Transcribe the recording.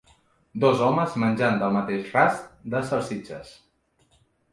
Dos homes menjant del mateix rast de salsitxes.